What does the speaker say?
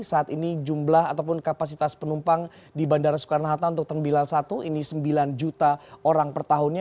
saat ini jumlah ataupun kapasitas penumpang di bandara soekarno hatta untuk terminal satu ini sembilan juta orang per tahunnya